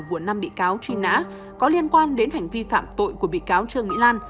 của năm bị cáo truy nã có liên quan đến hành vi phạm tội của bị cáo trương mỹ lan